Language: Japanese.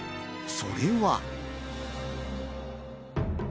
それは。